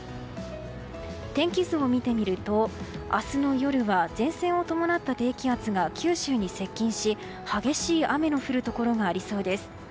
天気図を見てみると明日の夜は前線を伴った低気圧が九州に接近し激しい雨の降るところがありそうです。